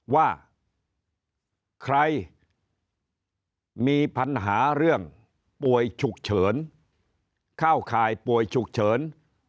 ว่าใครมีปัญหาเรื่องป่วยฉุกเฉินเข้าข่ายป่วยฉุกเฉิน